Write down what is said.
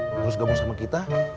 terus gabung sama kita